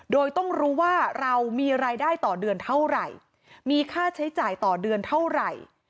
โดยต้องรู้ว่าเรามีรายได้ต่อเดือนเท่าไหร่มีค่าใช้จ่ายต่อเดือนเท่าไหร่